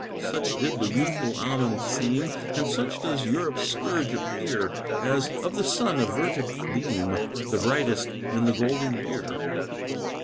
Such did the youthful Ammon seem, And such does Europe's scourge appear, As, of the sun, a vertic beam, The brightest in the golden year.